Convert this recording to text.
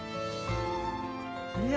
いや